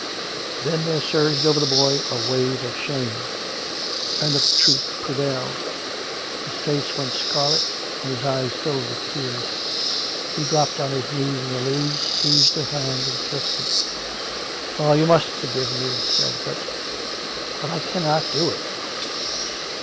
Then there surged over the boy a wave of shame; and the truth prevailed. His fair face went scarlet; and his eyes filled with tears. He dropped on his knees in the leaves, seized her hand and kissed it. " Oh ! you must forgive me," he said. " But ... but I cannot do it